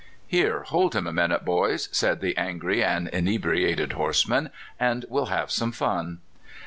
" Here, hold him a minute, boys," said the an gry and inebriated horseman, " and we'll have some fun."